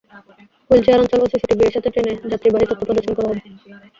Wheelchair অঞ্চল ও CCTV এর সাথে ট্রেনে যাত্রীবাহী তথ্য প্রদর্শন করা হবে।